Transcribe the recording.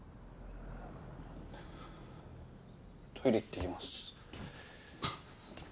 トイレ行ってきます。